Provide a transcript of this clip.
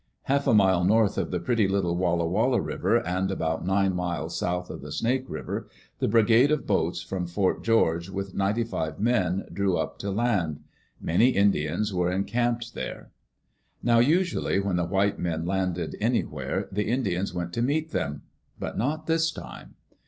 Half a mile north of the pretty little Walla Walla River, and about nine miles south of the Snake River, the Brigade of Boats from Fort George, with ninety five men, drew up to land. Many Indians were encamped there. Now, usually, when the white men landed anywhere, the Indians went to meet them — but not this time.